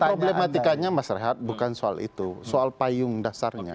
problematikanya mas rehat bukan soal itu soal payung dasarnya